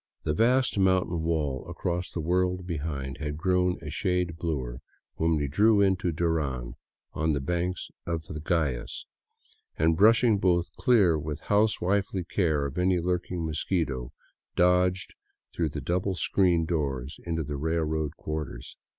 The vast mountain wall across the world behind had grown a shade bluer when we drew into Duran on the banks of the Guayas, and brush ing both clear with housewifely care of any lurking mosquito, dodged through the double screen doors into the railroad quarters.